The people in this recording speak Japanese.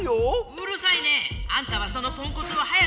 うるさいねえ！あんたはそのポンコツを早く直しな！